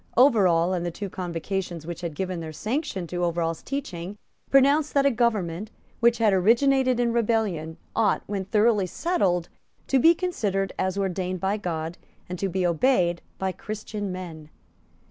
Overall, and the two Convocations which had given their sanction to Overall's teaching, pronounced that a government, which had originated in rebellion, ought, when thoroughly settled, to be considered as ordained by God and to be obeyed by Christian men.